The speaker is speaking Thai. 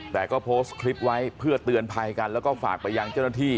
แต่ก็โพสต์คลิปไว้เพื่อเตือนภัยกันแล้วก็ฝากไปยังเจ้าหน้าที่